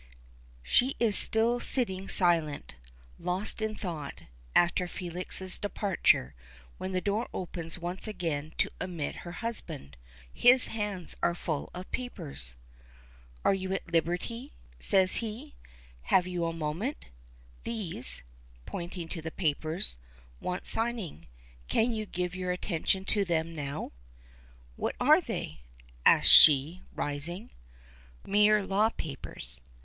She is still sitting silent, lost in thought, after Felix's departure, when the door opens once again to admit her husband. His hands are full of papers. "Are you at liberty?" says he. "Have you a moment? These," pointing to the papers, "want signing. Can you give your attention to them now?" "What are they?" asks she, rising. "Mere law papers.